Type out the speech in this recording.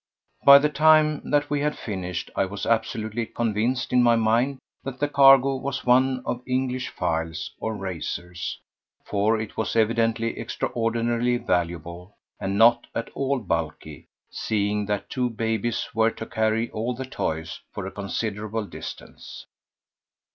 By the time that we had finished I was absolutely convinced in my mind that the cargo was one of English files or razors, for it was evidently extraordinarily valuable and not at all bulky, seeing that two "babies" were to carry all the "toys" for a considerable distance.